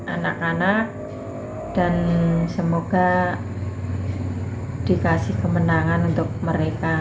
anak anak dan semoga dikasih kemenangan untuk mereka